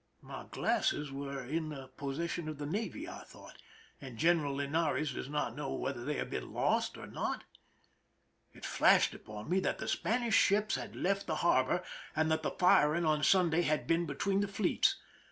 My glasses were in the possession of the navy," I thought, " and General Linares does not know whether they have been lost or not !" It flashed upon me that the Spanish ships had left the harbor, and that the firing on Sunday had been be tween the fleets.